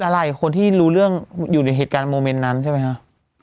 อะไรคนที่รู้เรื่องอยู่ในเหตุการณ์โมเมนต์นั้นใช่ไหมคะ